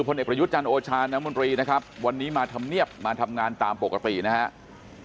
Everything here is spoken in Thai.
เอกประยุทธ์จันทร์โอชาน้ำมนตรีนะครับวันนี้มาทำเนียบมาทำงานตามปกตินะครับ